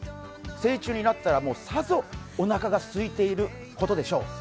成虫になったら、さぞおなかがすいていることでしょう。